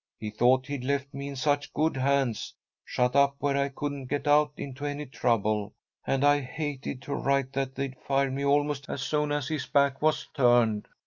He thought he'd left me in such good hands, shut up where I couldn't get out into any trouble, and I hated to write that they'd fired me almost as soon as his back was turned.